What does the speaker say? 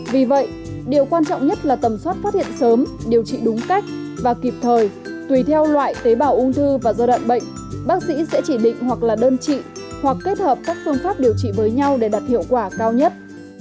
vì vậy điều quan trọng nhất là tầm soát phát hiện sớm điều trị đúng cách và kịp thời tùy theo loại tế bào ung thư và giai đoạn bệnh bác sĩ sẽ chỉ định hoặc là đơn trị hoặc kết hợp các phương pháp điều trị với nhau để đạt hiệu quả cao nhất